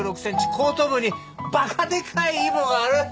後頭部にバカでかいイボがある。